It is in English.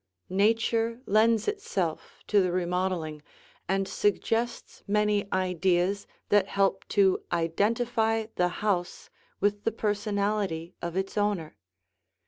Nature lends itself to the remodeling and suggests many ideas that help to identify the house with the personality of its owner.